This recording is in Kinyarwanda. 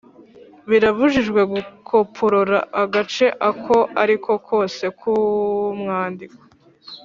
birabujijwe gukoporora agace ako ari ko kose k’umwandiko